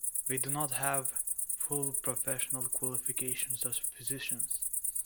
They do not have full professional qualifications as physicians.